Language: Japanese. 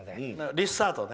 リスタートね。